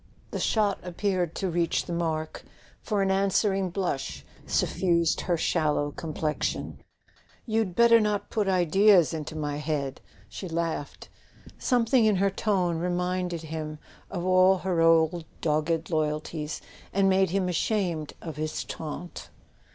The shot appeared to reach the mark, for an answer¬ ing blush suffused her sallow complexion. "You'd better not put ideas into my head! " she laughed. Something in her tone reminded him of all her old dogged loyalties, and made him ashamed of his taunt.